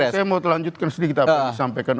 saya mau lanjutkan sedikit apa yang disampaikan